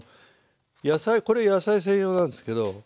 野菜これ野菜専用なんですけど。